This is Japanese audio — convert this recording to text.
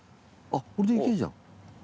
あっこれで行けるじゃん。